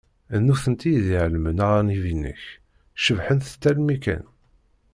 D nutenti i d-iɛellmen aɣanib-inek cebbḥent-tt almi kan.